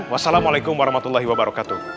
wassalamualaikum warahmatullahi wabarakatuh